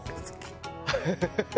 ハハハハ！